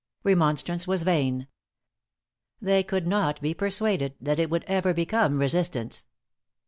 Remonstrance was vain. They could not be persuaded that it would ever become resistance.